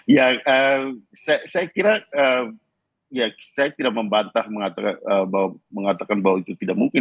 ya saya kira saya tidak membantah mengatakan bahwa itu tidak mungkin